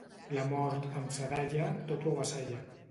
La mort, amb sa dalla, tot ho avassalla.